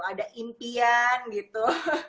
ada impian gitu